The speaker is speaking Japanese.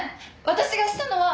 「私がしたのは」